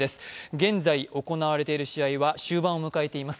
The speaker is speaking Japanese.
現在行われている試合は終盤を迎えています。